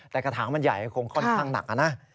แต่กระถางมันใหญ่คงค่อนข้างหนักนะ